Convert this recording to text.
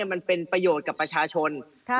มันเป็นประโยชน์กับประชาชน